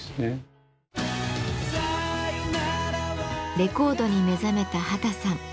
レコードに目覚めた秦さん。